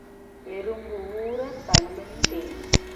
எறும்பு ஊர கல்லுந் தேயும்.